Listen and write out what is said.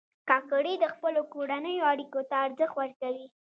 کاکړي د خپلو کورنیو اړیکو ته ارزښت ورکوي.